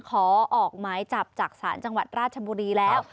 ขอออกหมายจับจากศาลจังหวัดราชบุรีแล้ว